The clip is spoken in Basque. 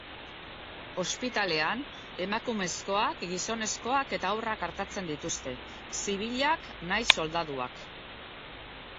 Ospitalean emakumezkoak, gizonezkoak eta haurrak artatzen dituzte, zibilak nahiz soldaduak.